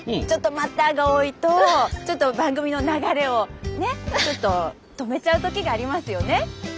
「ちょっと待った」が多いとちょっと番組の流れをちょっと止めちゃうときがありますよね。